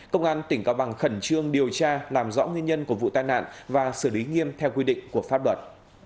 công an tỉnh cao bằng khẩn trương điều tra làm rõ nguyên nhân của vụ tai nạn và xử lý nghiêm theo quy định của pháp luật